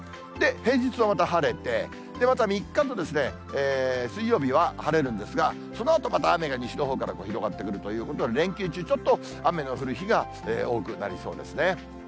平日はまた晴れて、また３日と水曜日は晴れるんですが、そのあとまた雨が西のほうから広がってくるということで、連休中、ちょっと雨の降る日が多くなりそうですね。